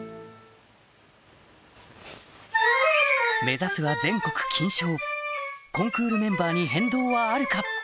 目指すは全国金賞コンクールメンバーに変動はあるか？